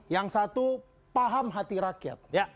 yang satu paham hati rakyat